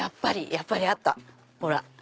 やっぱりあった。